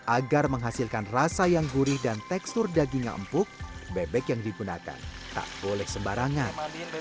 agar menghasilkan rasa yang gurih dan tekstur dagingnya empuk bebek yang digunakan tak boleh sembarangan